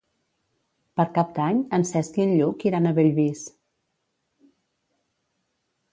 Per Cap d'Any en Cesc i en Lluc iran a Bellvís.